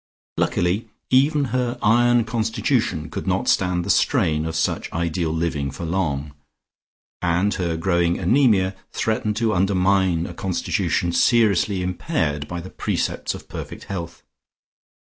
Luckily even her iron constitution could not stand the strain of such ideal living for long, and her growing anaemia threatened to undermine a constitution seriously impaired by the precepts of perfect health.